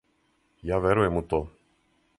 Ја верујем у то.